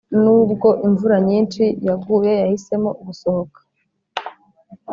nubwo imvura nyinshi yaguye, yahisemo gusohoka.